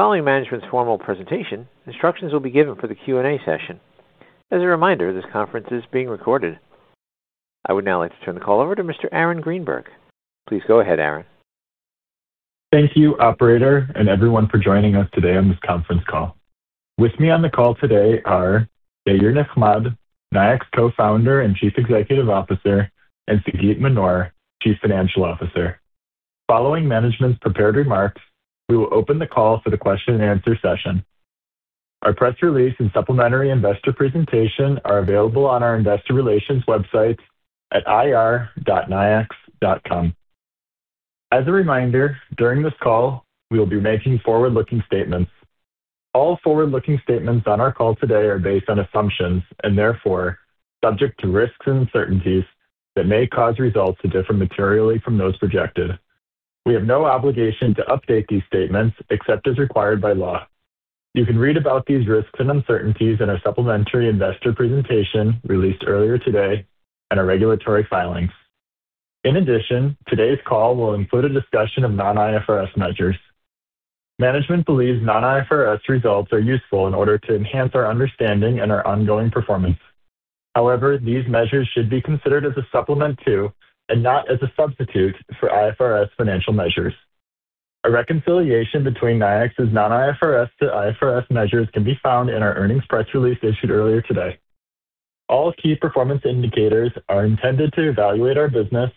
Following management's formal presentation, instructions will be given for the Q&A session. As a reminder, this conference is being recorded. I would now like to turn the call over to Mr. Aaron Greenberg. Please go ahead, Aaron. Thank you, operator, and everyone for joining us today on this conference call. With me on the call today are Yair Nechmad, Nayax Co-Founder and Chief Executive Officer, and Sagit Manor, Chief Financial Officer. Following management's prepared remarks, we will open the call for the question and answer session. Our press release and supplementary investor presentation are available on our investor relations websites at ir.nayax.com. As a reminder, during this call, we will be making forward-looking statements. All forward-looking statements on our call today are based on assumptions and therefore subject to risks and uncertainties that may cause results to differ materially from those projected. We have no obligation to update these statements except as required by law. You can read about these risks and uncertainties in our supplementary investor presentation released earlier today and our regulatory filings. In addition, today's call will include a discussion of non-IFRS measures. Management believes non-IFRS results are useful in order to enhance our understanding and our ongoing performance. However, these measures should be considered as a supplement to and not as a substitute for IFRS financial measures. A reconciliation between Nayax's non-IFRS to IFRS measures can be found in our earnings press release issued earlier today. All key performance indicators are intended to evaluate our business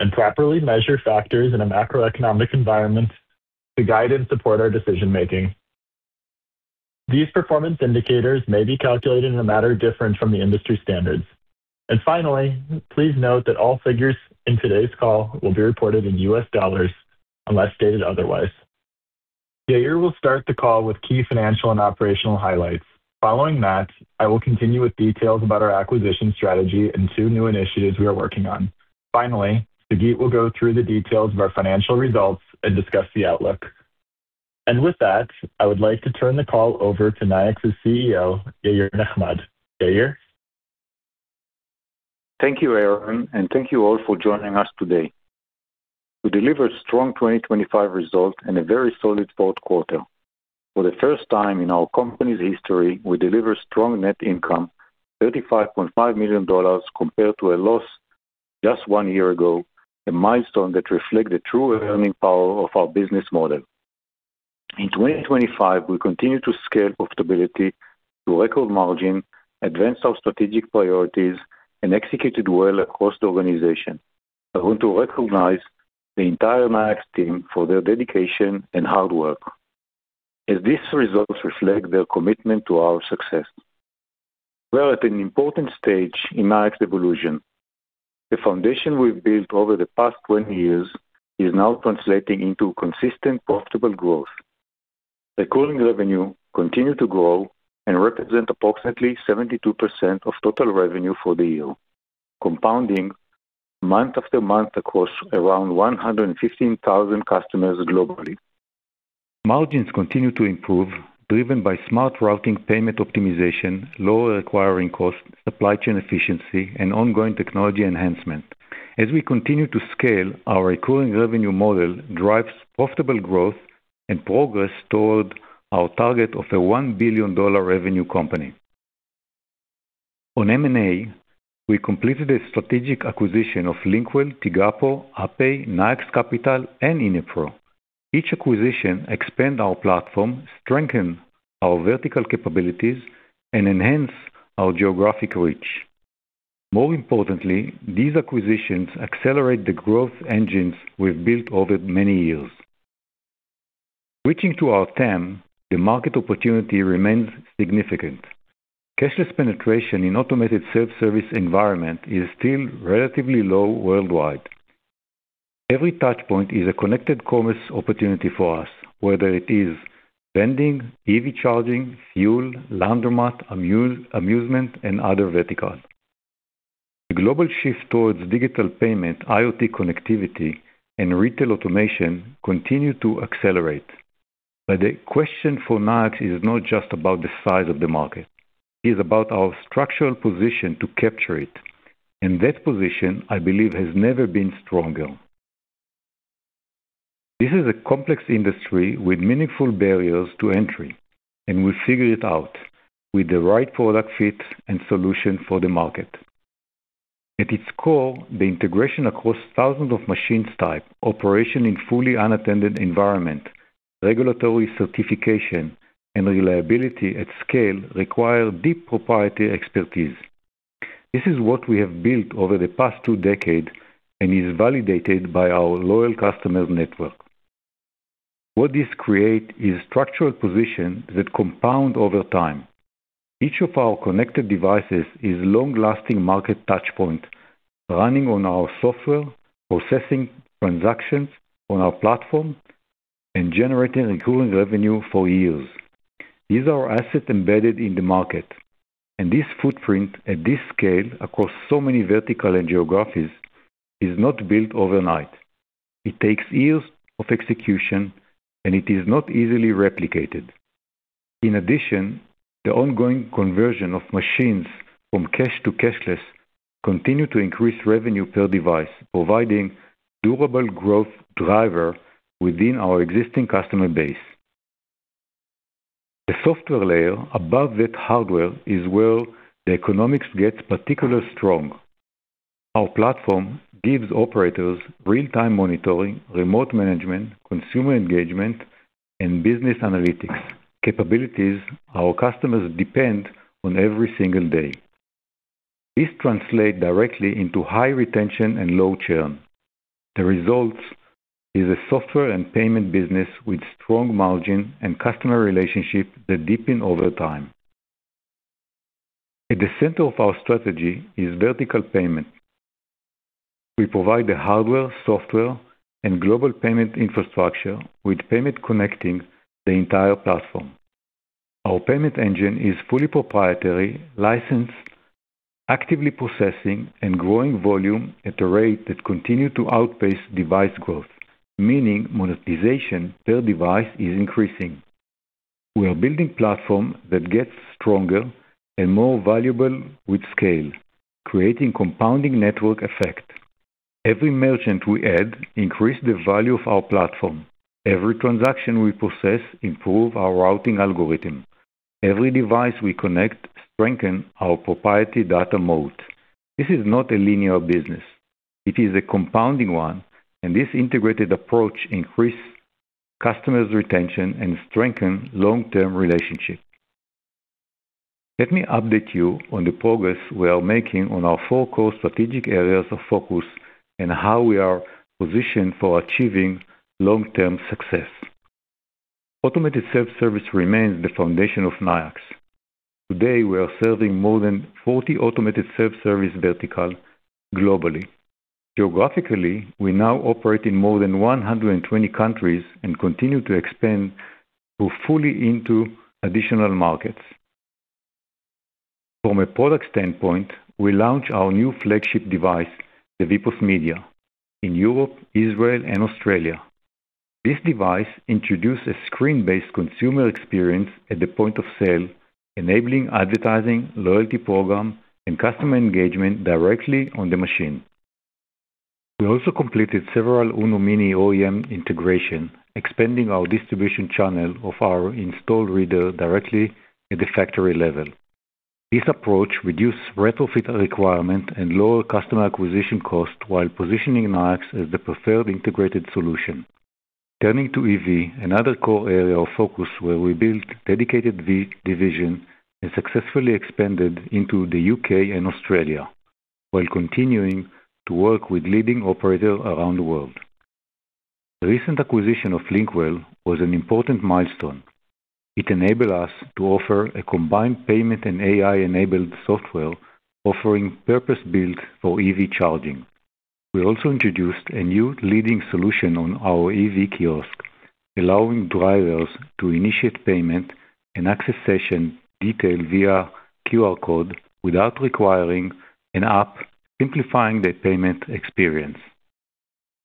and properly measure factors in a macroeconomic environment to guide and support our decision-making. These performance indicators may be calculated in a matter different from the industry standards. Finally, please note that all figures in today's call will be reported in U.S. dollars unless stated otherwise. Yair will start the call with key financial and operational highlights. Following that, I will continue with details about our acquisition strategy and two new initiatives we are working on. Finally, Sagit will go through the details of our financial results and discuss the outlook. With that, I would like to turn the call over to Nayax's CEO, Yair Nechmad. Yair? Thank you, Aaron, and thank you all for joining us today. We delivered strong 2025 results and a very solid fourth quarter. For the first time in our company's history, we delivered strong net income, $35.5 million compared to a loss just one year ago, a milestone that reflect the true earning power of our business model. In 2025, we continued to scale profitability to record margin, advanced our strategic priorities, and executed well across the organization. I want to recognize the entire Nayax team for their dedication and hard work, as these results reflect their commitment to our success. We are at an important stage in Nayax evolution. The foundation we've built over the past 20 years is now translating into consistent profitable growth. Recurring revenue continued to grow and represent approximately 72% of total revenue for the year, compounding month after month across around 115,000 customers globally. Margins continue to improve, driven by smart routing payment optimization, lower acquiring costs, supply chain efficiency, and ongoing technology enhancement. As we continue to scale, our recurring revenue model drives profitable growth and progress toward our target of a $1 billion dollar revenue company. On M&A, we completed a strategic acquisition of Lynkwell, Tigapo, UPPay, Nayax Capital, and Inepro. Each acquisition expand our platform, strengthen our vertical capabilities, and enhance our geographic reach. More importantly, these acquisitions accelerate the growth engines we've built over many years. Switching to our TAM, the market opportunity remains significant. Cashless penetration in automated self-service environment is still relatively low worldwide. Every touchpoint is a connected commerce opportunity for us, whether it is vending, EV charging, fuel, laundromat, amusement, and other verticals. The global shift towards digital payment, IoT connectivity, and retail automation continue to accelerate. The question for Nayax is not just about the size of the market. It is about our structural position to capture it. That position, I believe, has never been stronger. This is a complex industry with meaningful barriers to entry, and we figure it out with the right product fit and solution for the market. At its core, the integration across thousands of machines type operation in fully unattended environment, regulatory certification, and reliability at scale require deep proprietary expertise. This is what we have built over the past two decades and is validated by our loyal customers network. What this create is structural position that compound over time. Each of our connected devices is long-lasting market touchpoint running on our software, processing transactions on our platform, and generating recurring revenue for years. These are assets embedded in the market, and this footprint at this scale across so many vertical and geographies is not built overnight. It takes years of execution, and it is not easily replicated. In addition, the ongoing conversion of machines from cash to cashless continue to increase revenue per device, providing durable growth driver within our existing customer base. The software layer above that hardware is where the economics gets particularly strong. Our platform gives operators real-time monitoring, remote management, consumer engagement, and business analytics capabilities our customers depend on every single day. This translate directly into high retention and low churn. The result is a software and payment business with strong margin and customer relationship that deepen over time. At the center of our strategy is vertical payment. We provide the hardware, software, and global payment infrastructure with payment connecting the entire platform. Our payment engine is fully proprietary, licensed, actively processing and growing volume at a rate that continue to outpace device growth, meaning monetization per device is increasing. We are building platform that gets stronger and more valuable with scale, creating compounding network effect. Every merchant we add increase the value of our platform. Every transaction we process improve our routing algorithm. Every device we connect strengthen our proprietary data model. This is not a linear business. It is a compounding one, and this integrated approach increase customers retention and strengthen long-term relationship. Let me update you on the progress we are making on our four core strategic areas of focus and how we are positioned for achieving long-term success. Automated self-service remains the foundation of Nayax. Today, we are serving more than 40 automated self-service vertical globally. Geographically, we now operate in more than 120 countries and continue to expand to fully into additional markets. From a product standpoint, we launched our new flagship device, the VPOS Media in Europe, Israel and Australia. This device introduces screen-based consumer experience at the point of sale, enabling advertising, loyalty program, and customer engagement directly on the machine. We also completed several UNO-Mini OEM integration, expanding our distribution channel of our installed reader directly at the factory level. This approach reduce retrofit requirement and lower customer acquisition cost while positioning Nayax as the preferred integrated solution. Turning to EV, another core area of focus where we built a dedicated EV division and successfully expanded into the U.K. and Australia while continuing to work with leading operator around the world. The recent acquisition of Lynkwell was an important milestone. It enabled us to offer a combined payment and AI-enabled software offering purpose-built for EV charging. We also introduced a new leading solution on our EV Kiosk, allowing drivers to initiate payment and access session detail via QR code without requiring an app, simplifying the payment experience.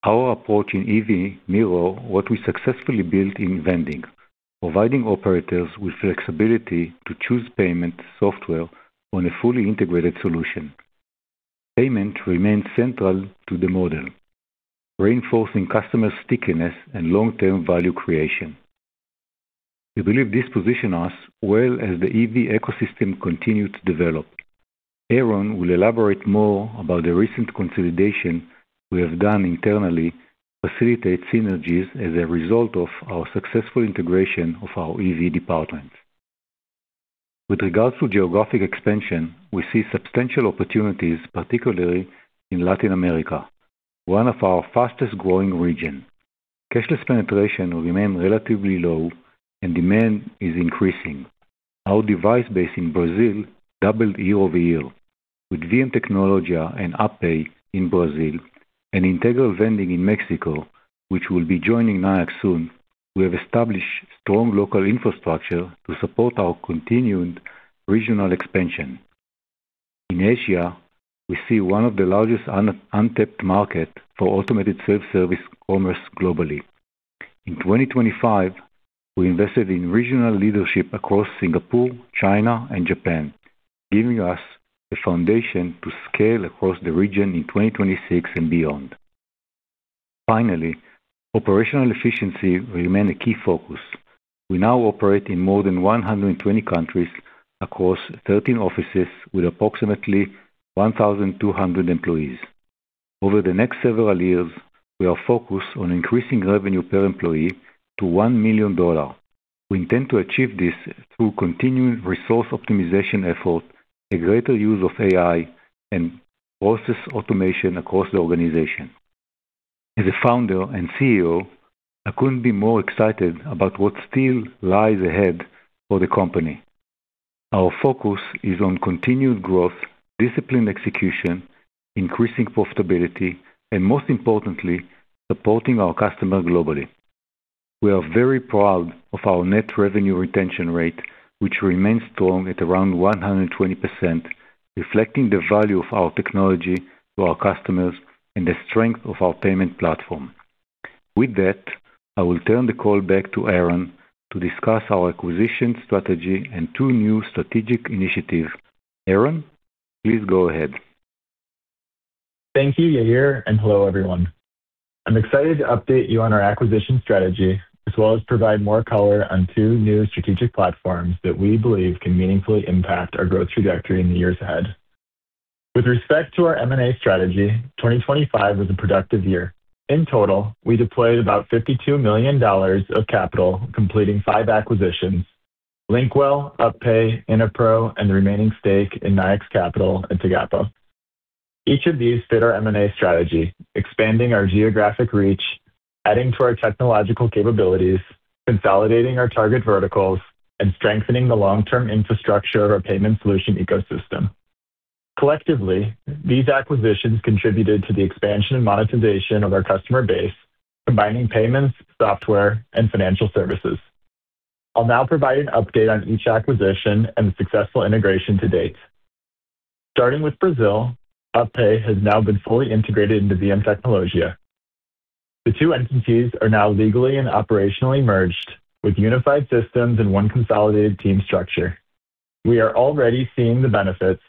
Our approach in EV mirrors what we successfully built in vending, providing operators with flexibility to choose payment software on a fully integrated solution. Payment remains central to the model, reinforcing customer stickiness and long-term value creation. We believe this position us well as the EV ecosystem continue to develop. Aaron will elaborate more about the recent consolidation we have done internally facilitate synergies as a result of our successful integration of our EV department. With regards to geographic expansion, we see substantial opportunities, particularly in Latin America, one of our fastest-growing region. Cashless penetration remain relatively low and demand is increasing. Our device base in Brazil doubled year-over-year. With VMtecnologia and UPPay in Brazil and Integral Vending in Mexico, which will be joining Nayax soon, we have established strong local infrastructure to support our continued regional expansion. In Asia, we see one of the largest untapped market for automated self-service commerce globally. In 2025, we invested in regional leadership across Singapore, China and Japan, giving us the foundation to scale across the region in 2026 and beyond. Finally, operational efficiency remain a key focus. We now operate in more than 120 countries across 13 offices with approximately 1,200 employees. Over the next several years, we are focused on increasing revenue per employee to $1 million. We intend to achieve this through continued resource optimization effort, a greater use of AI, and process automation across the organization. As a Founder and CEO, I couldn't be more excited about what still lies ahead for the company. Our focus is on continued growth, disciplined execution, increasing profitability and most importantly, supporting our customers globally. We are very proud of our net revenue retention rate, which remains strong at around 120%, reflecting the value of our technology to our customers and the strength of our payment platform. With that, I will turn the call back to Aaron to discuss our acquisition strategy and two new strategic initiatives. Aaron, please go ahead. Thank you, Yair, and hello, everyone. I'm excited to update you on our acquisition strategy, as well as provide more color on two new strategic platforms that we believe can meaningfully impact our growth trajectory in the years ahead. With respect to our M&A strategy, 2025 was a productive year. In total, we deployed about $52 million of capital, completing five acquisitions, Lynkwell, UPPay, Inepro, and the remaining stake in Nayax Capital and Tigapo. Each of these fit our M&A strategy, expanding our geographic reach, adding to our technological capabilities, consolidating our target verticals, and strengthening the long-term infrastructure of our payment solution ecosystem. Collectively, these acquisitions contributed to the expansion and monetization of our customer base, combining payments, software, and financial services. I'll now provide an update on each acquisition and the successful integration to date. Starting with Brazil, UPPay has now been fully integrated into VMtecnologia. The two entities are now legally and operationally merged with unified systems and one consolidated team structure. We are already seeing the benefits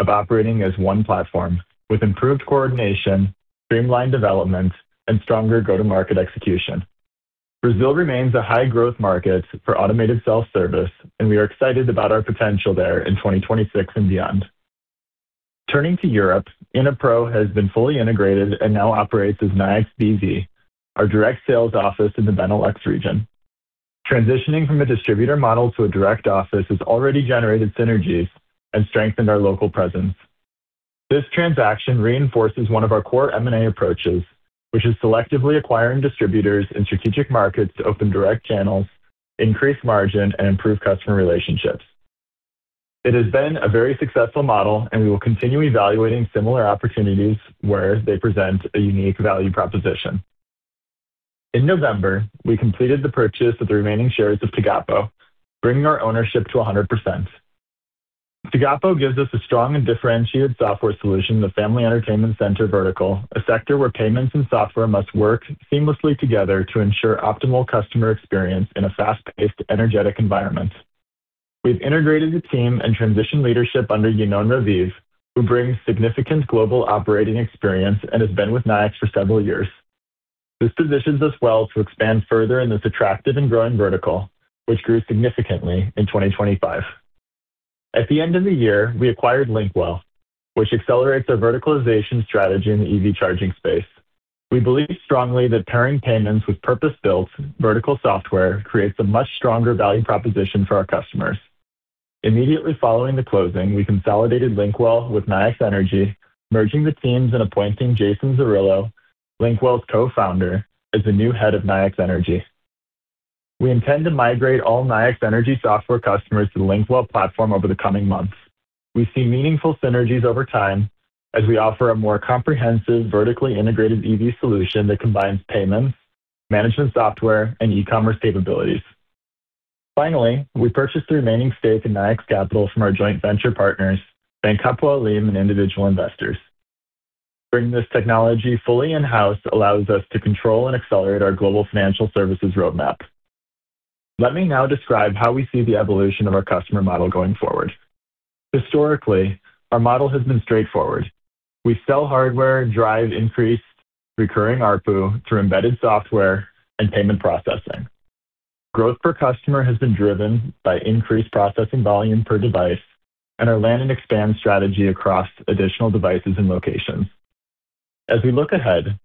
of operating as one platform with improved coordination, streamlined development, and stronger go-to-market execution. Brazil remains a high-growth market for automated self-service. We are excited about our potential there in 2026 and beyond. Turning to Europe, Inepro has been fully integrated and now operates as Nayax B.V., our direct sales office in the Benelux region. Transitioning from a distributor model to a direct office has already generated synergies and strengthened our local presence. This transaction reinforces one of our core M&A approaches, which is selectively acquiring distributors in strategic markets to open direct channels, increase margin, and improve customer relationships. It has been a very successful model, and we will continue evaluating similar opportunities where they present a unique value proposition. In November, we completed the purchase of the remaining shares of Tigapo, bringing our ownership to 100%. Tigapo gives us a strong and differentiated software solution in the family entertainment center vertical, a sector where payments and software must work seamlessly together to ensure optimal customer experience in a fast-paced, energetic environment. We've integrated the team and transitioned leadership under Yinon Raviv, who brings significant global operating experience and has been with Nayax for several years. This positions us well to expand further in this attractive and growing vertical, which grew significantly in 2025. At the end of the year, we acquired Lynkwell, which accelerates our verticalization strategy in the EV charging space. We believe strongly that pairing payments with purpose-built vertical software creates a much stronger value proposition for our customers. Immediately following the closing, we consolidated Lynkwell with Nayax Energy, merging the teams and appointing Jason Zarillo, Lynkwell's Co-Founder, as the new head of Nayax Energy. We intend to migrate all Nayax Energy software customers to the Lynkwell platform over the coming months. We see meaningful synergies over time as we offer a more comprehensive, vertically integrated EV solution that combines payments, management software, and e-commerce capabilities. We purchased the remaining stake in Nayax Capital from our joint venture partners, Bank Hapoalim and individual investors. Bringing this technology fully in-house allows us to control and accelerate our global financial services roadmap. Let me now describe how we see the evolution of our customer model going forward. Historically, our model has been straightforward. We sell hardware, drive increased recurring ARPU through embedded software and payment processing. Growth per customer has been driven by increased processing volume per device and our land and expand strategy across additional devices and locations. As we look ahead,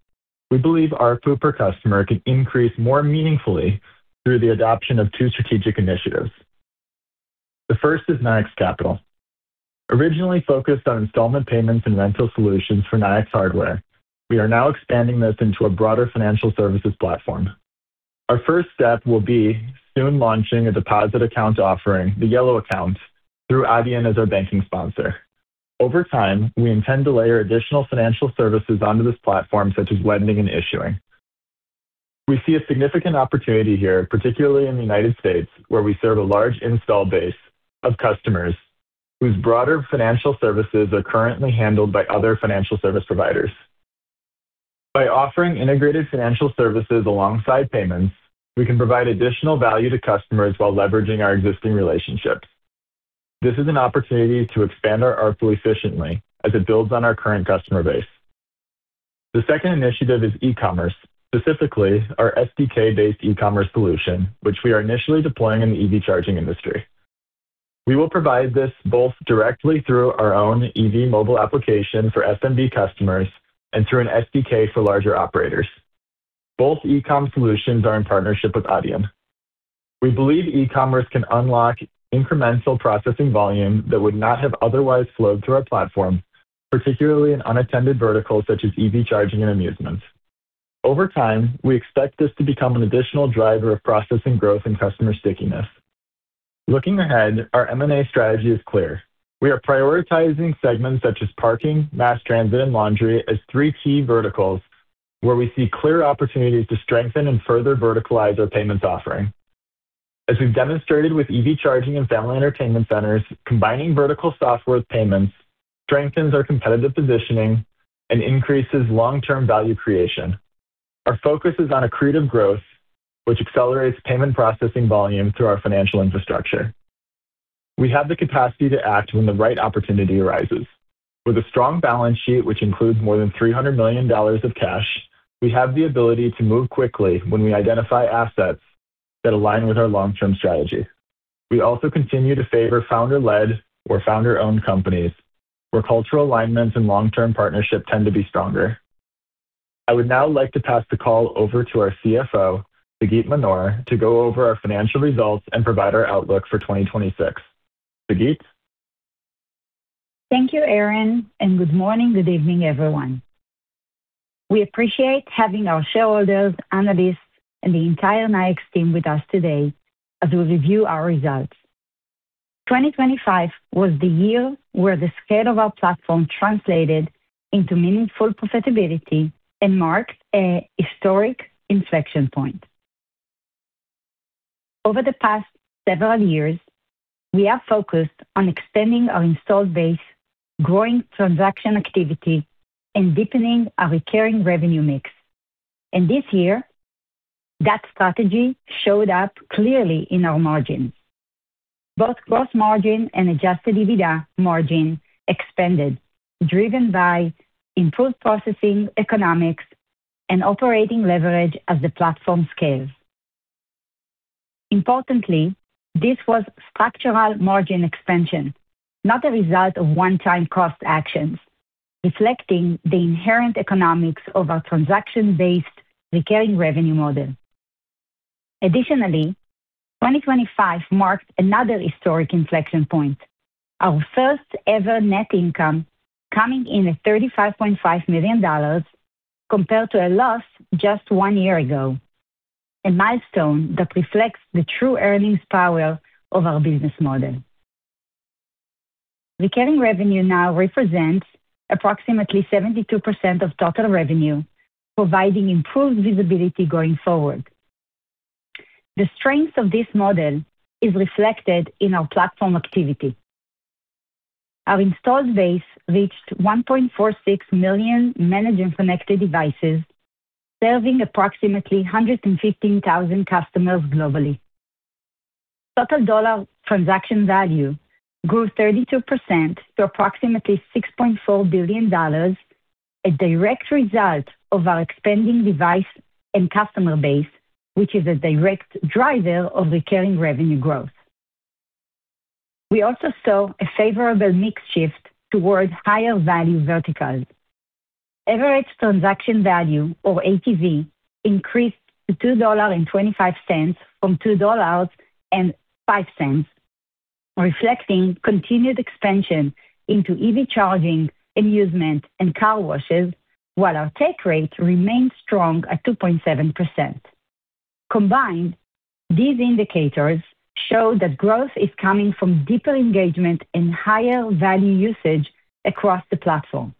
we believe ARPU per customer can increase more meaningfully through the adoption of two strategic initiatives. The first is Nayax Capital. Originally focused on installment payments and rental solutions for Nayax hardware, we are now expanding this into a broader financial services platform. Our first step will be soon launching a deposit account offering, the Yellow Account, through Adyen as our banking sponsor. Over time, we intend to layer additional financial services onto this platform, such as lending and issuing. We see a significant opportunity here, particularly in the United States, where we serve a large installed base of customers whose broader financial services are currently handled by other financial service providers. By offering integrated financial services alongside payments, we can provide additional value to customers while leveraging our existing relationships. This is an opportunity to expand our ARPU efficiently as it builds on our current customer base. The second initiative is e-commerce, specifically our SDK-based e-commerce solution, which we are initially deploying in the EV charging industry. We will provide this both directly through our own EV mobile application for SMB customers and through an SDK for larger operators. Both e-com solutions are in partnership with Adyen. We believe e-commerce can unlock incremental processing volume that would not have otherwise flowed through our platform, particularly in unattended verticals such as EV charging and amusements. Over time, we expect this to become an additional driver of processing growth and customer stickiness. Looking ahead, our M&A strategy is clear. We are prioritizing segments such as parking, mass transit, and laundry as three key verticals where we see clear opportunities to strengthen and further verticalize our payments offering. As we've demonstrated with EV charging and family entertainment centers, combining vertical software with payments strengthens our competitive positioning and increases long-term value creation. Our focus is on accretive growth, which accelerates payment processing volume through our financial infrastructure. We have the capacity to act when the right opportunity arises. With a strong balance sheet, which includes more than $300 million of cash, we have the ability to move quickly when we identify assets that align with our long-term strategy. We also continue to favor founder-led or founder-owned companies, where cultural alignments and long-term partnership tend to be stronger. I would now like to pass the call over to our CFO, Sagit Manor, to go over our financial results and provide our outlook for 2026. Sagit? Thank you, Aaron. Good morning, good evening, everyone. We appreciate having our shareholders, analysts, and the entire Nayax team with us today as we review our results. Twenty twenty-five was the year where the scale of our platform translated into meaningful profitability and marked a historic inflection point. Over the past several years, we have focused on extending our installed base, growing transaction activity, and deepening our recurring revenue mix. This year, that strategy showed up clearly in our margins. Both gross margin and adjusted EBITDA margin expanded, driven by improved processing economics and operating leverage as the platform scales. Importantly, this was structural margin expansion, not a result of one-time cost actions, reflecting the inherent economics of our transaction-based recurring revenue model. Additionally, 2025 marked another historic inflection point, our first-ever net income coming in at $35.5 million compared to a loss just one year ago, a milestone that reflects the true earnings power of our business model. Recurring revenue now represents approximately 72% of total revenue, providing improved visibility going forward. The strength of this model is reflected in our platform activity. Our installed base reached 1.46 million managed and connected devices, serving approximately 115,000 customers globally. Total dollar transaction value grew 32% to approximately $6.4 billion, a direct result of our expanding device and customer base, which is a direct driver of recurring revenue growth. We also saw a favorable mix shift towards higher-value verticals. Average transaction value, or ATV, increased to $2.25 from $2.05, reflecting continued expansion into EV charging, amusement, and car washes, while our take rate remained strong at 2.7%. Combined, these indicators show that growth is coming from deeper engagement and higher-value usage across the platform.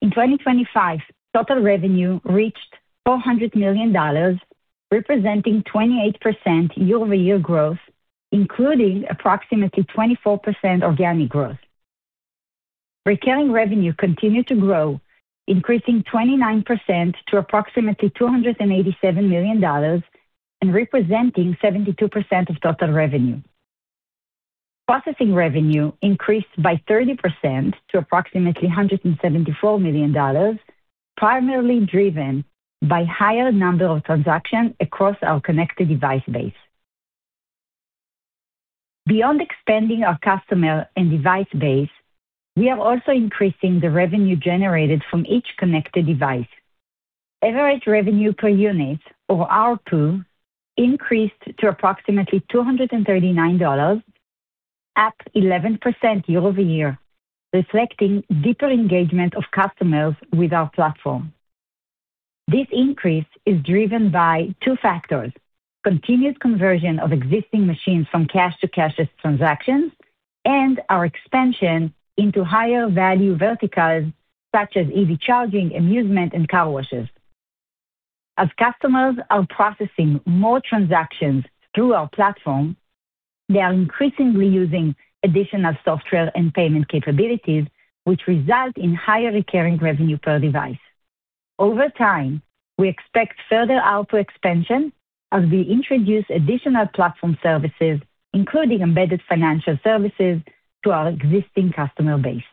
In 2025, total revenue reached $400 million, representing 28% year-over-year growth, including approximately 24% organic growth. Recurring revenue continued to grow, increasing 29% to approximately $287 million and representing 72% of total revenue. Processing revenue increased by 30% to approximately $174 million, primarily driven by higher number of transactions across our connected device base. Beyond expanding our customer and device base, we are also increasing the revenue generated from each connected device. Average revenue per unit, or ARPU, increased to approximately $239, up 11% year-over-year, reflecting deeper engagement of customers with our platform. This increase is driven by two factors, continuous conversion of existing machines from cash to cashless transactions and our expansion into higher value verticals such as EV charging, amusement, and car washes. As customers are processing more transactions through our platform, they are increasingly using additional software and payment capabilities, which result in higher recurring revenue per device. Over time, we expect further ARPU expansion as we introduce additional platform services, including embedded financial services to our existing customer base.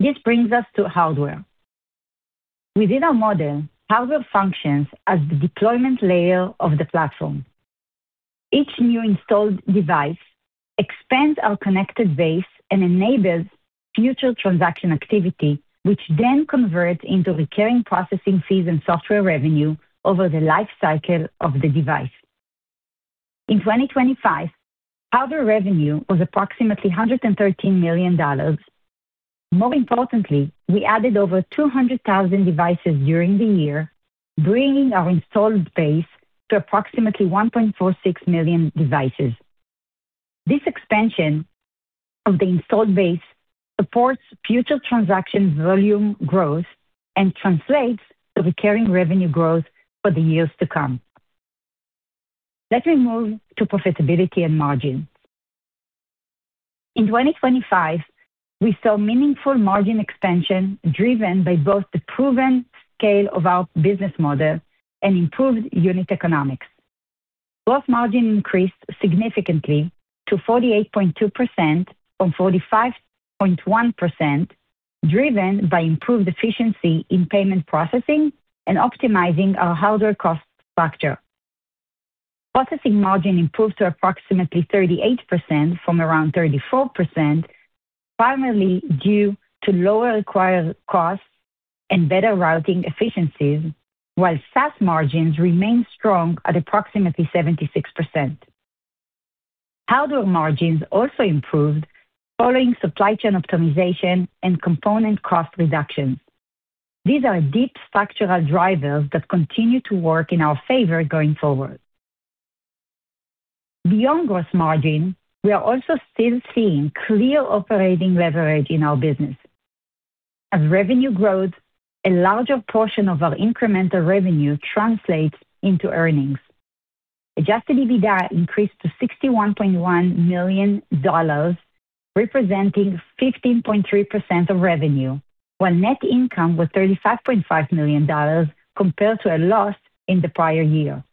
This brings us to hardware. Within our model, hardware functions as the deployment layer of the platform. Each new installed device expands our connected base and enables future transaction activity, which then converts into recurring processing fees and software revenue over the life cycle of the device. In 2025, hardware revenue was approximately $113 million. More importantly, we added over 200,000 devices during the year, bringing our installed base to approximately 1.46 million devices. This expansion of the installed base supports future transaction volume growth and translates to recurring revenue growth for the years to come. Let me move to profitability and margin. In 2025, we saw meaningful margin expansion driven by both the proven scale of our business model and improved unit economics. Gross margin increased significantly to 48.2% from 45.1%, driven by improved efficiency in payment processing and optimizing our hardware cost structure. Processing margin improved to approximately 38% from around 34%, primarily due to lower acquired costs and better routing efficiencies, while SaaS margins remained strong at approximately 76%. Hardware margins also improved following supply chain optimization and component cost reductions. These are deep structural drivers that continue to work in our favor going forward. Beyond gross margin, we are also still seeing clear operating leverage in our business. As revenue grows, a larger portion of our incremental revenue translates into earnings. Adjusted EBITDA increased to $61.1 million, representing 15.3% of revenue, while net income was $35.5 million compared to a loss in the prior year.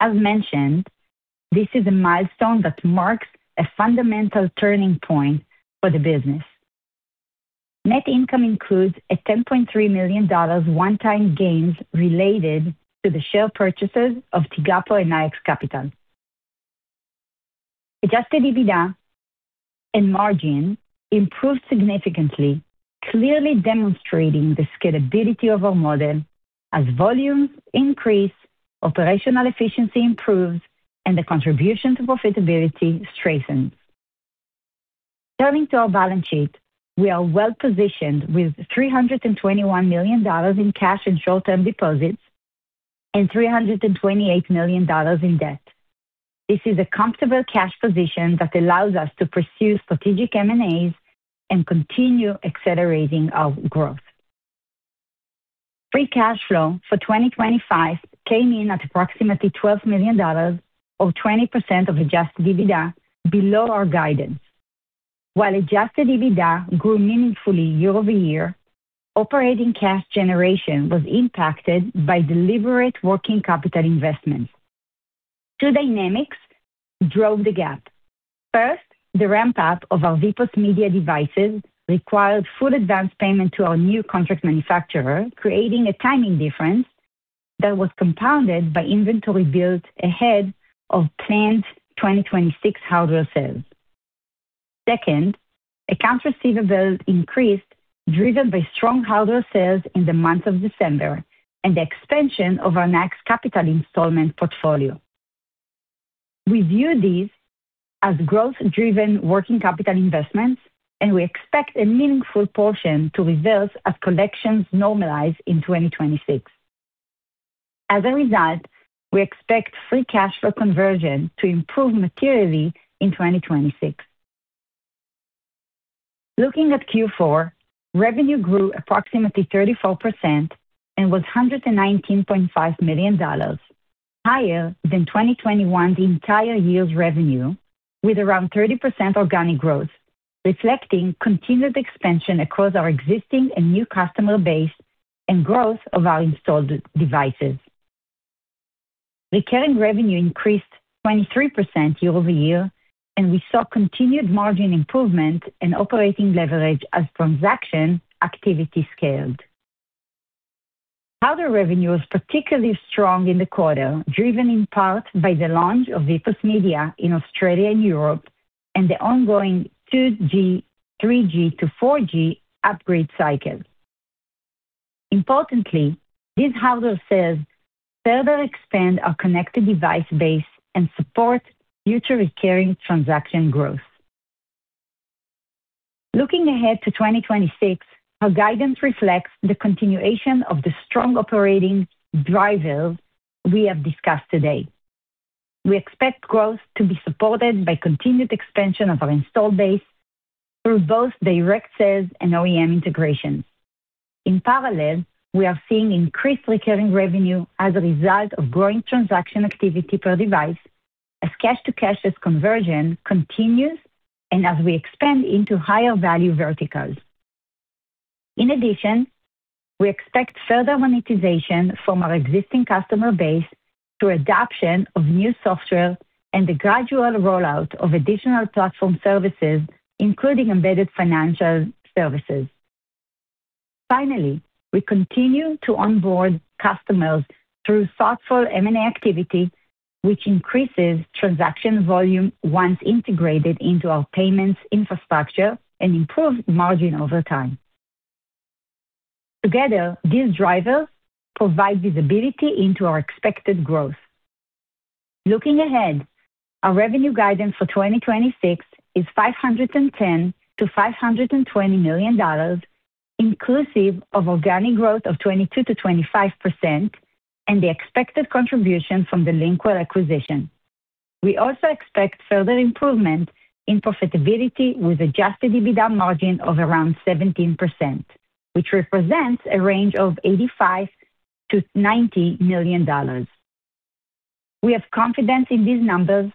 As mentioned, this is a milestone that marks a fundamental turning point for the business. Net income includes a $10.3 million one-time gains related to the share purchases of Tigapo and Nayax Capital. Adjusted EBITDA and margin improved significantly, clearly demonstrating the scalability of our model. As volumes increase, operational efficiency improves, and the contribution to profitability strengthens. Turning to our balance sheet, we are well-positioned with $321 million in cash and short-term deposits and $328 million in debt. This is a comfortable cash position that allows us to pursue strategic M&As and continue accelerating our growth. Free cash flow for 2025 came in at approximately $12 million or 20% of adjusted EBITDA below our guidance. While adjusted EBITDA grew meaningfully year-over-year, operating cash generation was impacted by deliberate working capital investments. Two dynamics drove the gap. First, the ramp-up of our VPOS Media devices required full advance payment to our new contract manufacturer, creating a timing difference that was compounded by inventory built ahead of planned 2026 hardware sales. Second, accounts receivables increased, driven by strong hardware sales in the month of December and the expansion of our Nayax Capital installment portfolio. We view these as growth-driven working capital investments, and we expect a meaningful portion to reverse as collections normalize in 2026. As a result, we expect free cash flow conversion to improve materially in 2026. Looking at Q4, revenue grew approximately 34% and was $119.5 million, higher than 2021's entire year's revenue, with around 30% organic growth, reflecting continued expansion across our existing and new customer base and growth of our installed devices. Recurring revenue increased 23% year-over-year, and we saw continued margin improvement and operating leverage as transaction activity scaled. Hardware revenue was particularly strong in the quarter, driven in part by the launch of VPOS Media in Australia and Europe and the ongoing 2G/3G to 4G upgrade cycle. Importantly, these hardware sales further expand our connected device base and support future recurring transaction growth. Looking ahead to 2026, our guidance reflects the continuation of the strong operating drivers we have discussed today. We expect growth to be supported by continued expansion of our installed base through both direct sales and OEM integration. In parallel, we are seeing increased recurring revenue as a result of growing transaction activity per device as cash-to-cash conversion continues and as we expand into higher-value verticals. In addition, we expect further monetization from our existing customer base through adoption of new software and the gradual rollout of additional platform services, including embedded financial services. Finally, we continue to onboard customers through thoughtful M&A activity, which increases transaction volume once integrated into our payments infrastructure and improves margin over time. Together, these drivers provide visibility into our expected growth. Looking ahead, our revenue guidance for 2026 is $510 million-$520 million. Inclusive of organic growth of 22%-25% and the expected contribution from the Lynkwell acquisition. We also expect further improvement in profitability with adjusted EBITDA margin of around 17%, which represents a range of $85 million-$90 million. We have confidence in these numbers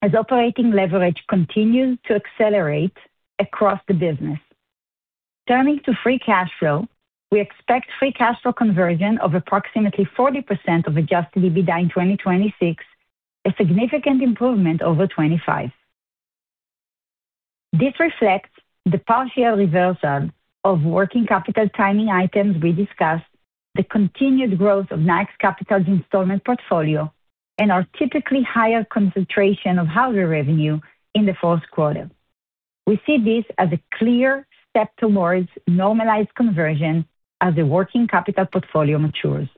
as operating leverage continues to accelerate across the business. Turning to free cash flow, we expect free cash flow conversion of approximately 40% of adjusted EBITDA in 2026, a significant improvement over 2025. This reflects the partial reversal of working capital timing items we discussed, the continued growth of Nayax Capital's installment portfolio, and our typically higher concentration of hardware revenue in the fourth quarter. We see this as a clear step towards normalized conversion as the working capital portfolio matures.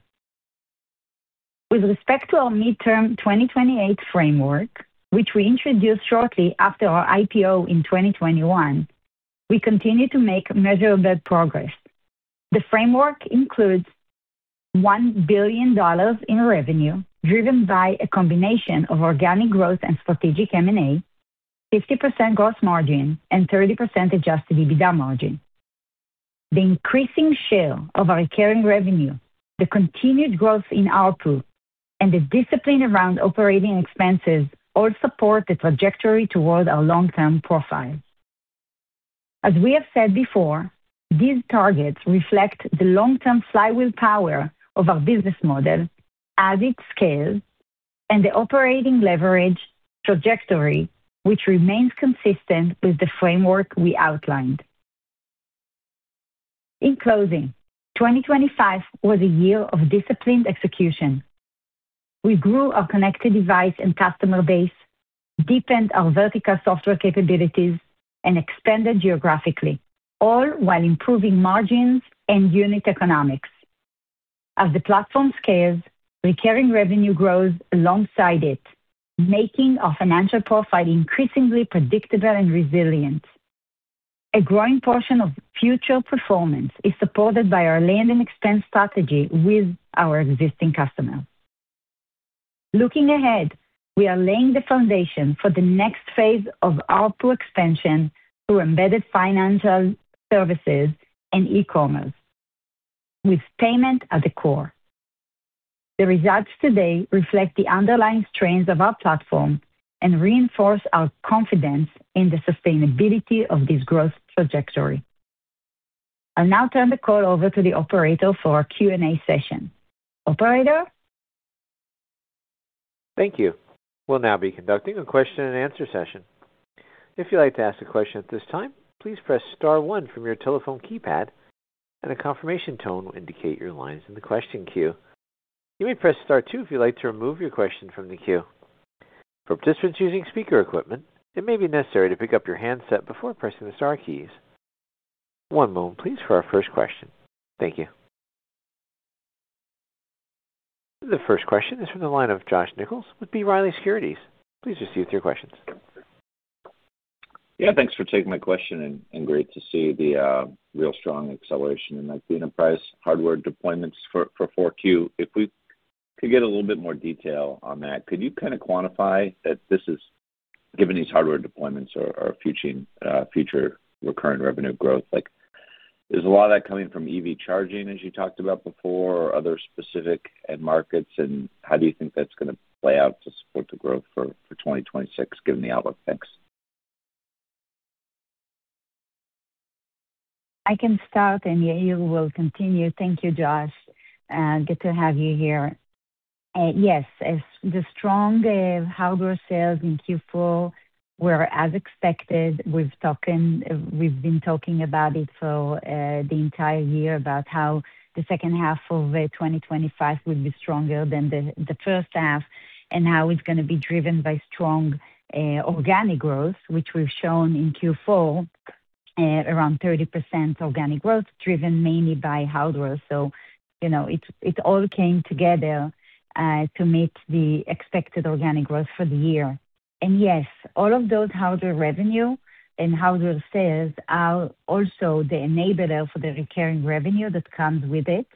With respect to our midterm 2028 framework, which we introduced shortly after our IPO in 2021, we continue to make measurable progress. The framework includes $1 billion in revenue, driven by a combination of organic growth and strategic M&A, 50% gross margin and 30% adjusted EBITDA margin. The increasing share of our recurring revenue, the continued growth in ARPU, and the discipline around operating expenses all support the trajectory toward our long-term profile. As we have said before, these targets reflect the long-term flywheel power of our business model as it scales and the operating leverage trajectory, which remains consistent with the framework we outlined. In closing, 2025 was a year of disciplined execution. We grew our connected device and customer base, deepened our vertical software capabilities, and expanded geographically, all while improving margins and unit economics. As the platform scales, recurring revenue grows alongside it, making our financial profile increasingly predictable and resilient. A growing portion of future performance is supported by our land and expense strategy with our existing customers. Looking ahead, we are laying the foundation for the next phase of ARPU expansion through embedded financial services and e-commerce with payment at the core. The results today reflect the underlying strengths of our platform and reinforce our confidence in the sustainability of this growth trajectory. I'll now turn the call over to the operator for our Q&A session. Operator. Thank you. We'll now be conducting a question-and-answer session. If you'd like to ask a question at this time, please press star one from your telephone keypad and a confirmation tone will indicate your line's in the question queue. You may press star two if you'd like to remove your question from the queue. For participants using speaker equipment, it may be necessary to pick up your handset before pressing the star keys. One moment please for our first question. Thank you. The first question is from the line of Josh Nichols with B. Riley Securities. Please proceed with your questions. Yeah, thanks for taking my question and great to see the real strong acceleration in like unit price hardware deployments for 4Q. If we could get a little bit more detail on that. Could you kind of quantify that this is given these hardware deployments are future recurring revenue growth? Like is a lot of that coming from EV charging, as you talked about before, or other specific end markets, and how do you think that's gonna play out to support the growth for 2026 given the outlook? Thanks. I can start, and Yair will continue. Thank you, Josh, and good to have you here. Yes, as the strong hardware sales in Q4 were as expected, we've talked and we've been talking about it for the entire year about how the second half of 2025 will be stronger than the first half and how it's gonna be driven by strong organic growth, which we've shown in Q4 at around 30% organic growth, driven mainly by hardware. You know, it all came together to meet the expected organic growth for the year. Yes, all of those hardware revenue and hardware sales are also the enabler for the recurring revenue that comes with it,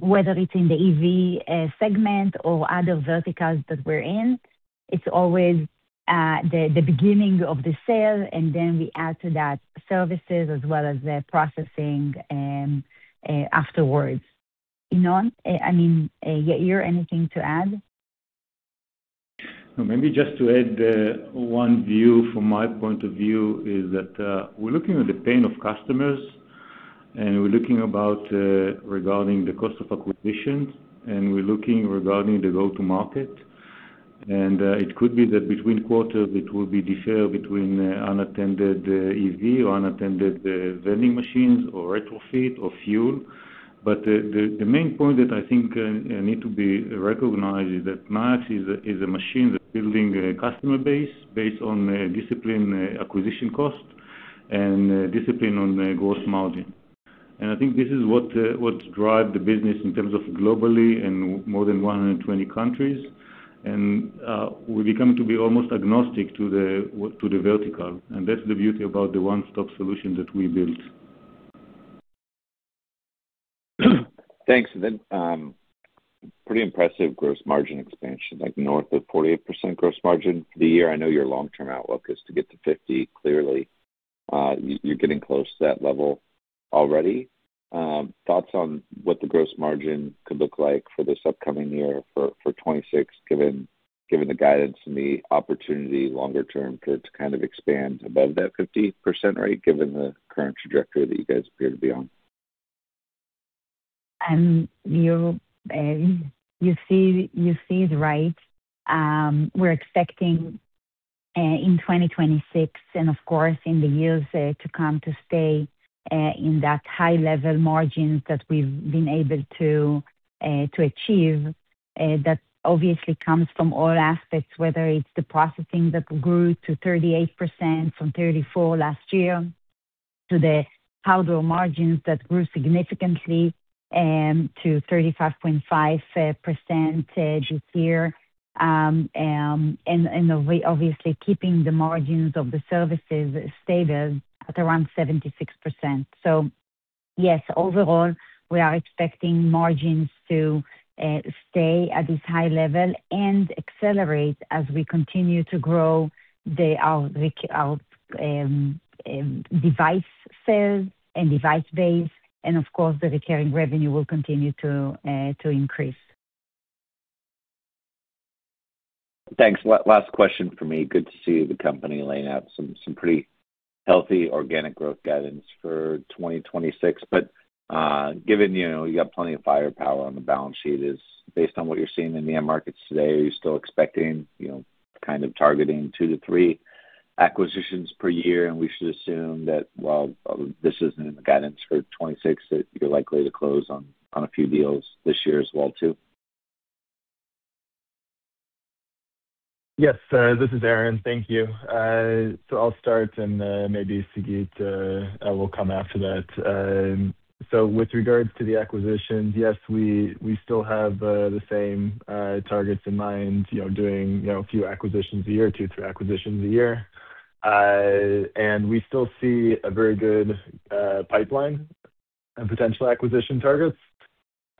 whether it's in the EV segment or other verticals that we're in. It's always the beginning of the sale, and then we add to that services as well as the processing afterwards. Yair, anything to add? No. Maybe just to add, one view from my point of view is that we're looking at the pain of customers, and we're looking about regarding the cost of acquisitions, and we're looking regarding the go-to-market. It could be that between quarters it will be differ between unattended EV or unattended vending machines or retrofit or fuel. The main point that I think need to be recognized is that Nayax is a machine that's building a customer base based on a discipline acquisition cost and discipline on the gross margin. I think this is what what drive the business in terms of globally in more than 120 countries. We become to be almost agnostic to the vertical, and that's the beauty about the one-stop solution that we built. Thanks. Then, pretty impressive gross margin expansion, like north of 48% gross margin for the year. I know your long-term outlook is to get to 50%. Clearly, you're getting close to that level already. Thoughts on what the gross margin could look like for this upcoming year for 2026, given the guidance and the opportunity longer term to kind of expand above that 50% rate given the current trajectory that you guys appear to be on. You see it right. We're expecting in 2026 and of course in the years to come to stay in that high-level margins that we've been able to achieve. That obviously comes from all aspects, whether it's the processing that grew to 38% from 34% last year, to the powder margins that grew significantly to 35.5% this year, and we obviously keeping the margins of the services stable at around 76%. Yes, overall, we are expecting margins to stay at this high level and accelerate as we continue to grow our device sales and device base, and of course, the recurring revenue will continue to increase. Thanks. Last question for me. Good to see the company laying out some pretty healthy organic growth guidance for 2026. Given, you know, you got plenty of firepower on the balance sheet, is based on what you're seeing in the end markets today, are you still expecting, you know, kind of targeting two to three acquisitions per year? We should assume that while this isn't in the guidance for 2026, that you're likely to close on a few deals this year as well too. This is Aaron. Thank you. I'll start and maybe Sagit will come after that. With regards to the acquisitions, yes, we still have the same targets in mind, you know, doing, you know, a few acquisitions a year, two, three acquisitions a year. We still see a very good pipeline and potential acquisition targets.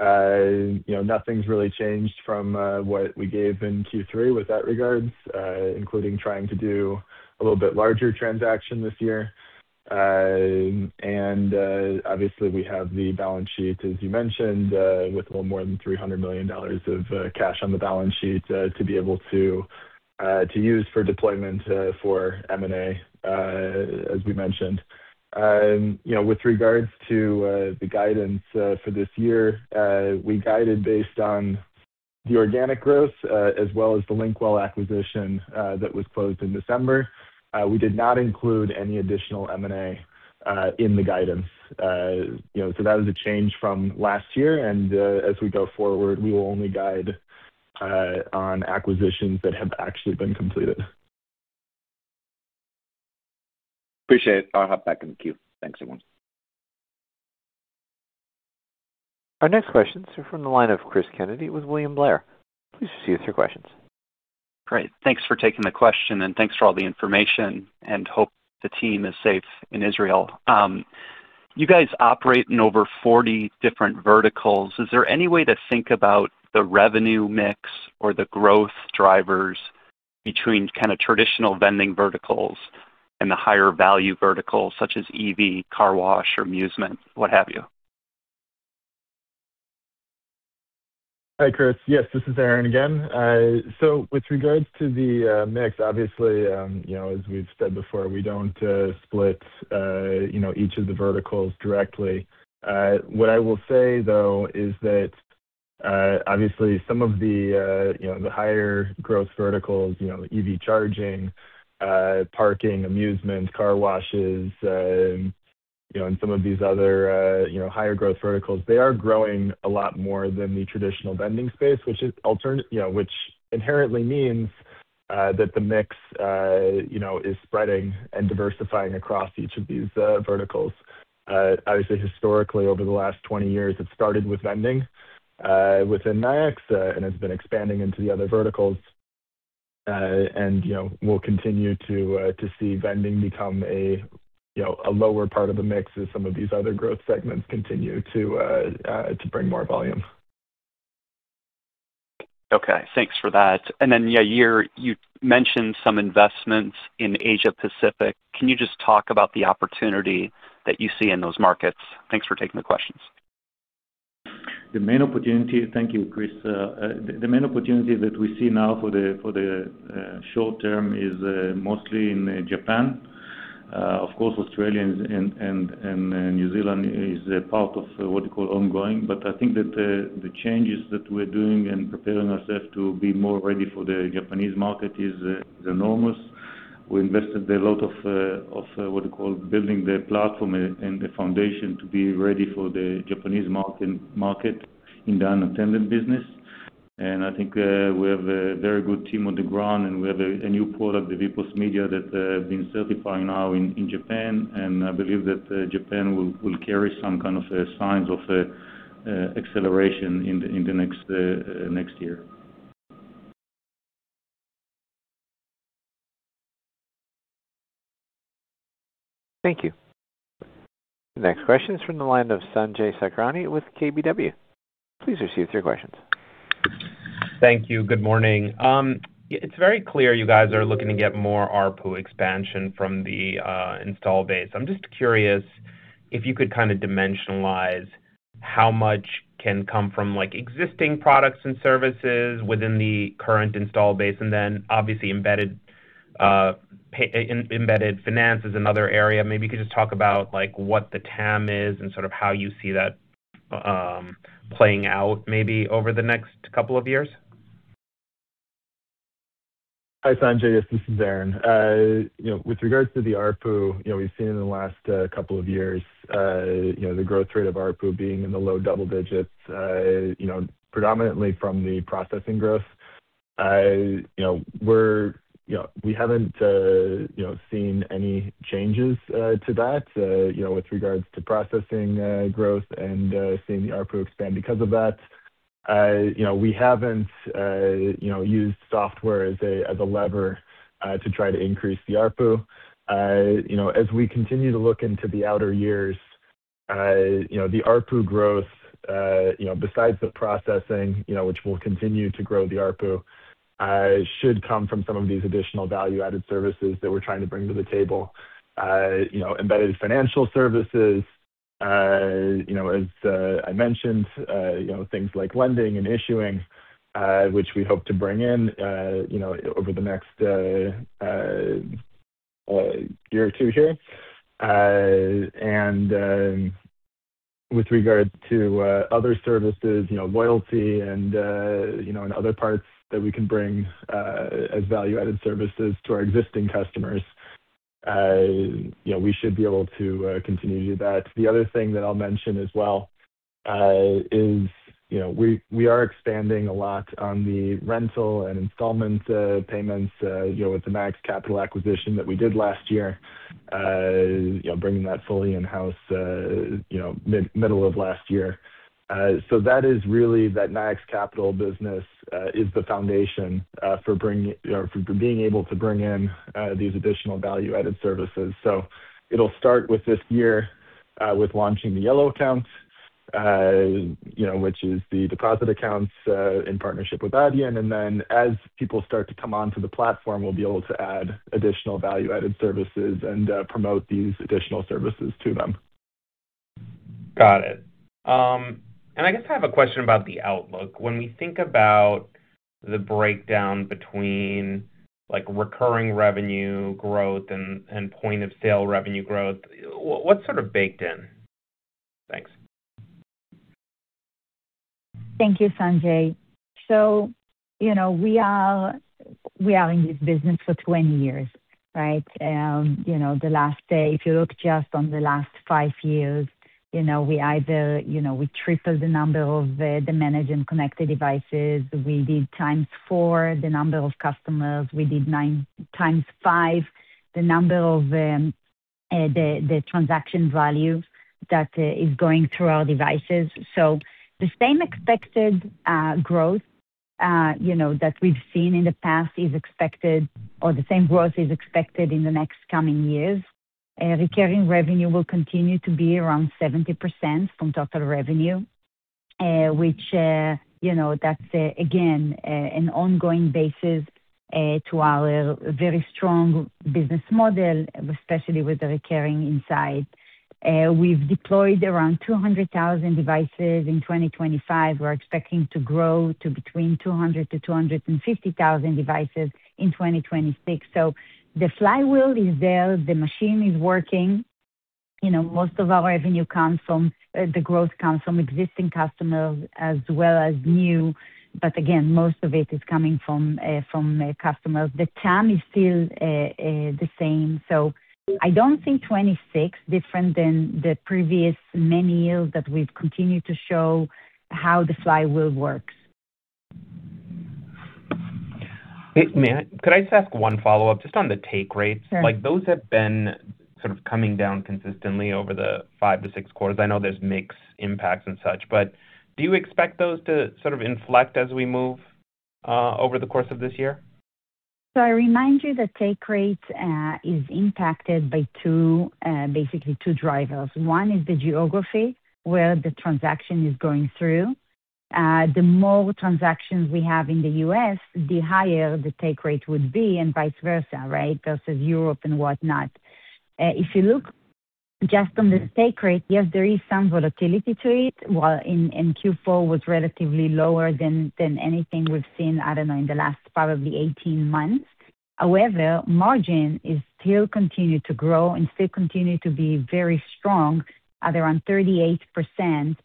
You know, nothing's really changed from what we gave in Q3 with that regards, including trying to do a little bit larger transaction this year. Obviously we have the balance sheet, as you mentioned, with a little more than $300 million of cash on the balance sheet, to be able to use for deployment for M&A, as we mentioned. You know, with regards to the guidance for this year, we guided based on the organic growth as well as the Lynkwell acquisition that was closed in December. We did not include any additional M&A in the guidance. You know, that is a change from last year. As we go forward, we will only guide on acquisitions that have actually been completed. Appreciate it. I'll hop back in the queue. Thanks everyone. Our next questions are from the line of Cris Kennedy with William Blair. Please proceed with your questions. Great. Thanks for taking the question, thanks for all the information, hope the team is safe in Israel. You guys operate in over 40 different verticals. Is there any way to think about the revenue mix or the growth drivers between kind of traditional vending verticals and the higher-value verticals such as EV, car wash, amusement, what have you? Hi, Cris. Yes, this is Aaron again. With regards to the mix, obviously, you know, as we've said before, we don't split, you know, each of the verticals directly. What I will say, though, is that obviously some of the, you know, the higher-growth verticals, you know, the EV charging, parking, amusement, car washes, you know, and some of these other, you know, higher-growth verticals, they are growing a lot more than the traditional vending space, you know, which inherently means that the mix, you know, is spreading and diversifying across each of these verticals. Obviously, historically, over the last 20 years, it started with vending within Nayax and has been expanding into the other verticals. You know, we'll continue to see vending become a, you know, a lower part of the mix as some of these other growth segments continue to bring more volume. Okay. Thanks for that. Yair, you mentioned some investments in Asia Pacific. Can you just talk about the opportunity that you see in those markets? Thanks for taking the questions. The main opportunity. Thank you, Cris. The main opportunity that we see now for the short term is mostly in Japan. Of course, Australians and New Zealand is a part of what you call ongoing. But I think that the changes that we're doing and preparing ourselves to be more ready for the Japanese market is enormous. We invested a lot of what you call building the platform and the foundation to be ready for the Japanese market in the unattended business. And I think we have a very good team on the ground, and we have a new product, the VPOS Media, that have been certified now in Japan. I believe that Japan will carry some kind of signs of acceleration in the next year. Thank you. The next question is from the line of Sanjay Sakhrani with KBW. Please receive your questions. Thank you. Good morning. It's very clear you guys are looking to get more ARPU expansion from the install base. I'm just curious if you could kind of dimensionalize how much can come from, like, existing products and services within the current install base and then obviously embedded finance is another area. Maybe you could just talk about, like, what the TAM is and sort of how you see that playing out maybe over the next couple of years? Hi, Sanjay. This is Aaron. You know, with regards to the ARPU, you know, we've seen in the last couple of years, you know, the growth rate of ARPU being in the low double digits, you know, predominantly from the processing growth. You know, we haven't, you know, seen any changes to that, you know, with regards to processing growth and seeing the ARPU expand because of that. You know, we haven't, you know, used software as a lever to try to increase the ARPU. You know, as we continue to look into the outer years, you know, the ARPU growth, you know, besides the processing, you know, which will continue to grow the ARPU, should come from some of these additional value-added services that we're trying to bring to the table. You know, embedded financial services, you know, as I mentioned, you know, things like lending and issuing, which we hope to bring in, you know, over the next year or two here. With regards to other services, you know, loyalty and, you know, and other parts that we can bring, as value-added services to our existing customers, you know, we should be able to continue to do that. The other thing that I'll mention as well, is, you know, we are expanding a lot on the rental and installment, payments, you know, with the Nayax Capital acquisition that we did last year, you know, bringing that fully in-house, you know, mid-middle of last year. That is really that Nayax Capital business, is the foundation, for being able to bring in, these additional value-added services. It'll start with this year, with launching the Yellow Accounts, you know, which is the deposit accounts, in partnership with Adyen. Then as people start to come onto the platform, we'll be able to add additional value-added services and, promote these additional services to them. Got it. I guess I have a question about the outlook. When we think about the breakdown between, like, recurring revenue growth and point-of-sale revenue growth, what's sort of baked in? Thanks. Thank you, Sanjay. You know, we are in this business for 20 years, right? You know, the last, if you look just on the last five years, you know, we either, you know, we tripled the number of the managed and connected devices. We did times 4x the number of customers. We did 5x the number of the transaction value that is going through our devices. The same expected growth, you know, that we've seen in the past is expected or the same growth is expected in the next coming years. Recurring revenue will continue to be around 70% from total revenue, which, you know, that's again an ongoing basis to our very strong business model, especially with the recurring insight. We've deployed around 200,000 devices in 2025. We're expecting to grow to between 200,000-250,000 devices in 2026. The flywheel is there, the machine is working. You know, the growth comes from existing customers as well as new, but again, most of it is coming from customers. The TAM is still the same. I don't think 2026 different than the previous many years that we've continued to show how the flywheel works. Could I just ask one follow-up just on the take rates? Sure. Like, those have been sort of coming down consistently over the five to six quarters. I know there's mix impacts and such, but do you expect those to sort of inflect as we move over the course of this year? I remind you the take rate is impacted by basically two drivers. One is the geography where the transaction is going through. The more transactions we have in the U.S., the higher the take rate would be, and vice versa, right? Versus Europe and whatnot. If you look just on the take rate, yes, there is some volatility to it. While in Q4 was relatively lower than anything we've seen, I don't know, in the last probably 18 months. However, margin is still continue to grow and still continue to be very strong at around 38%.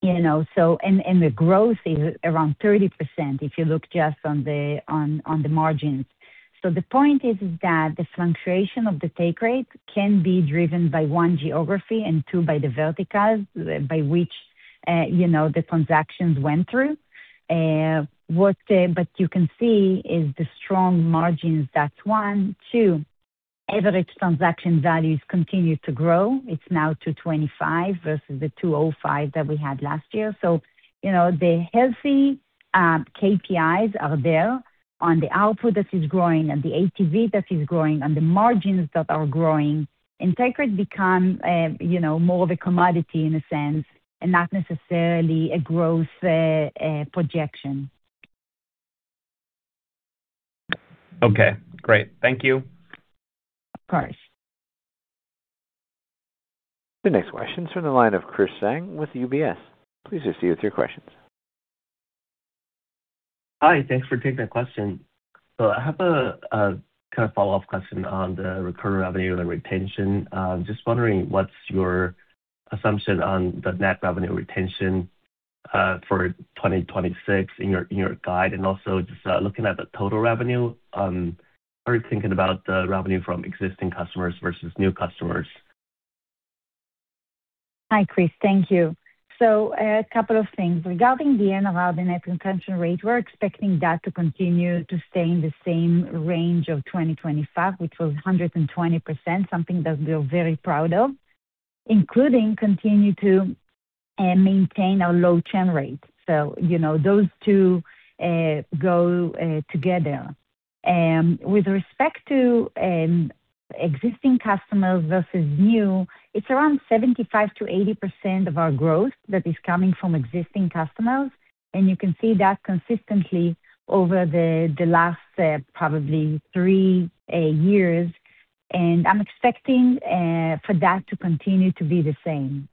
You know, the growth is around 30% if you look just on the margins. The point is that the fluctuation of the take rate can be driven by, one, geography, and two, by the verticals by which, you know, the transactions went through. But you can see is the strong margins. That's one. Two, average transaction values continue to grow. It's now $2.25 versus the $2.05 that we had last year. So, you know, the healthy KPIs are there on the output that is growing and the ATV that is growing and the margins that are growing. Integrity becomes, you know, more of a commodity in a sense, and not necessarily a growth projection. Okay, great. Thank you. Of course. The next question is from the line of Chris Zhang with UBS. Please proceed with your questions. Hi. Thanks for taking the question. I have a kind of follow-up question on the recurring revenue and the retention. Just wondering what's your assumption on the net revenue retention for 2026 in your guide and also just looking at the total revenue, are you thinking about the revenue from existing customers versus new customers? Hi, Chris. Thank you. A couple of things. Regarding the NRR, the net retention rate, we're expecting that to continue to stay in the same range of 2025, which was 120%, something that we are very proud of, including continue to maintain our low churn rate. You know, those two go together. With respect to existing customers versus new, it's around 75%-80% of our growth that is coming from existing customers, and you can see that consistently over the last probably three years. I'm expecting for that to continue to be the same.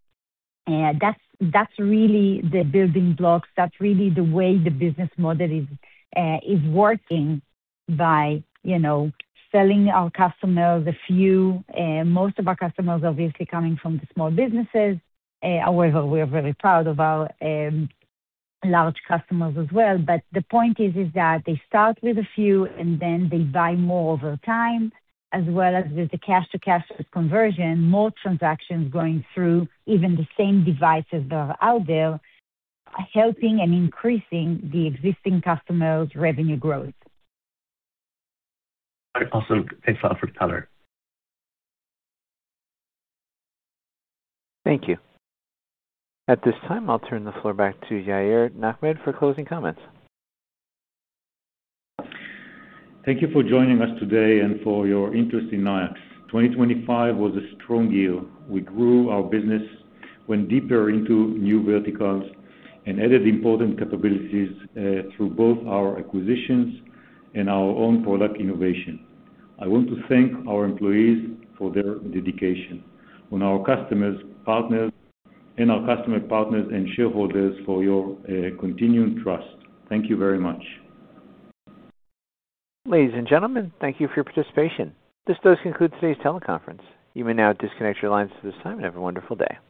That's, that's really the building blocks. That's really the way the business model is working by, you know, selling our customers a few—most of our customers obviously coming from the small businesses, however, we are very proud of our large customers as well. The point is that they start with a few, and then they buy more over time, as well as with the cash to cash conversion, more transactions going through even the same devices that are out there are helping and increasing the existing customers' revenue growth. Awesome. Thanks a lot for the color. Thank you. At this time, I'll turn the floor back to Yair Nechmad for closing comments. Thank you for joining us today and for your interest in Nayax. Twenty twenty-five was a strong year. We grew our business, went deeper into new verticals, and added important capabilities through both our acquisitions and our own product innovation. I want to thank our employees for their dedication on our customers, and our customer partners and shareholders for your continued trust. Thank you very much. Ladies and gentlemen, thank you for your participation. This does conclude today's teleconference. You may now disconnect your lines at this time. Have a wonderful day.